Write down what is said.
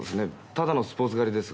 ただのスポーツ刈りです